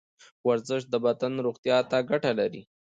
ورزش د بدن روغتیا ته ګټه لري.